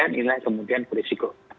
inilah yang kemudian berisiko